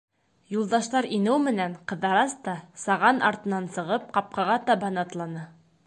Юлдаштар инеү менән, Ҡыҙырас та, саған артынан сығып, ҡапҡаға табан атланы.